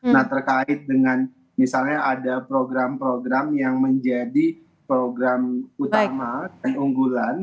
nah terkait dengan misalnya ada program program yang menjadi program utama dan unggulan